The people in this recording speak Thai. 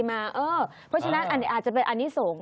เพราะฉะนั้นอันนี้อาจจะเป็นอันนี้สงฆ